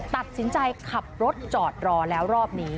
ตัดสินใจขับรถจอดรอแล้วรอบนี้